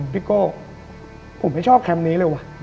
โก้ผมไม่ชอบแคมป์นี้เลยวะ